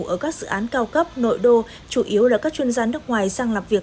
ở các dự án cao cấp nội đô chủ yếu là các chuyên gia nước ngoài sang làm việc